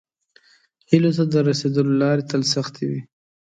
هیلو ته د راسیدلو لارې تل سختې وي.